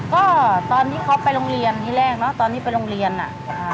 ก็ตอนที่เขาไปโรงเรียนที่แรกเนอะตอนที่ไปโรงเรียนอ่ะอ่า